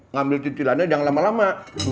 ngambil citilannya jangan lama lama